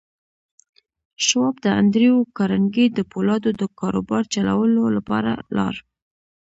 شواب د انډريو کارنګي د پولادو د کاروبار چلولو لپاره لاړ.